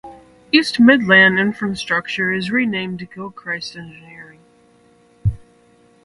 East Midlands Infrastructure is renamed Gilchrist Engineering.